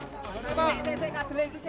terus terus terus